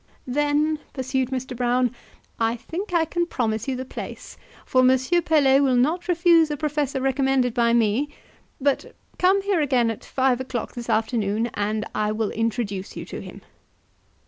"Then," pursued Mr. Brown, "I think I can promise you the place, for Monsieur Pelet will not refuse a professor recommended by me; but come here again at five o'clock this afternoon, and I will introduce you to him."